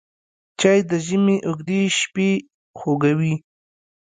چای د ژمي اوږدې شپې خوږوي